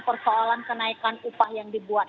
persoalan kenaikan upah yang dibuat